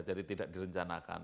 jadi tidak direncanakan